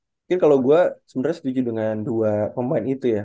mungkin kalau gue sebenarnya setuju dengan dua pemain itu ya